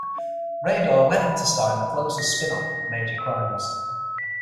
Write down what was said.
Raydor went on to star in "The Closer"s spin-off, "Major Crimes".